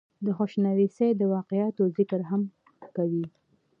دَخوشنويسۍ دَواقعاتو ذکر هم کوي ۔